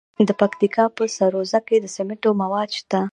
د پکتیکا په سروضه کې د سمنټو مواد شته.